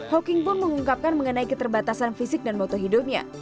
hawking pun mengungkapkan mengenai keterbatasan fisik dan moto hidupnya